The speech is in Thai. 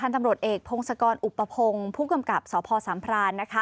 ตำรวจเอกพงศกรอุปพงศ์ผู้กำกับสพสามพราน